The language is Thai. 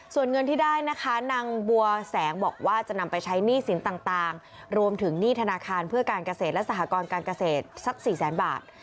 ส่วนเงินที่ได้นะคะนางบัวแสงบอกว่าจะนำไปใช้หนี้สินต่างรวมถึงหนี้ธนาคารเพื่อการเกษตรและสหกรการเกษตรสัก๔แสนบาท